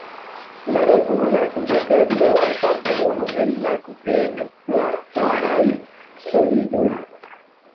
La regula dudekedro estas unu el la kvin platonaj solidoj.